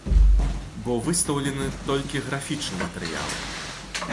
Бо выстаўлены толькі графічны матэрыял.